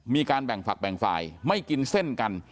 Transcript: มีการแบ่งฝักแบ่งฝ่ายไม่กินเส้นกัน